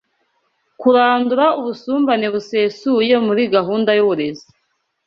Kurandura ubusumbane busesuye muri gahunda yuburezi